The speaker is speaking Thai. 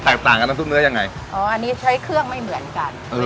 ต่างกับน้ำซุปเนื้อยังไงอ๋ออันนี้ใช้เครื่องไม่เหมือนกัน